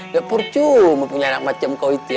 ya purcu mau pilih anak macem kok itu ya